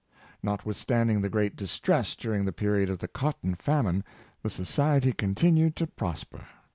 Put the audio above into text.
Notwithstanding the great distress during the period of the cotton famine, the society continued to prosper.